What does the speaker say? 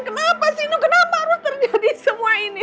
kenapa sih nu kenapa harus terjadi semua ini